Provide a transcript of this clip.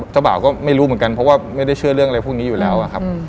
บ่าวก็ไม่รู้เหมือนกันเพราะว่าไม่ได้เชื่อเรื่องอะไรพวกนี้อยู่แล้วครับ